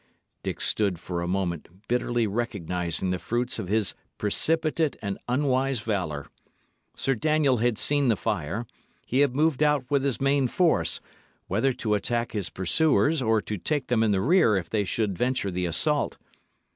Dick stood for a moment, bitterly recognising the fruits of his precipitate and unwise valour. Sir Daniel had seen the fire; he had moved out with his main force, whether to attack his pursuers or to take them in the rear if they should venture the assault.